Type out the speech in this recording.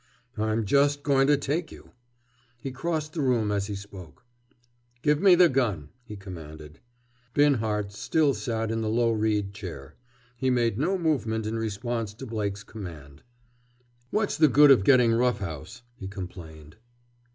"I'm just going to take you." He crossed the room as he spoke. "Give me the gun," he commanded. Binhart still sat in the low reed chair. He made no movement in response to Blake's command. "What's the good of getting rough house," he complained.